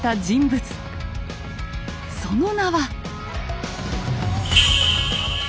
その名は。